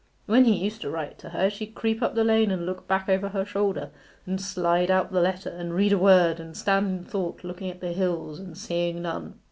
When he used to write to her she'd creep up the lane and look back over her shoulder, and slide out the letter, and read a word and stand in thought looking at the hills and seeing none.